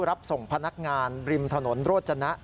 รับส่งพนักงานริมถนนโรจนะ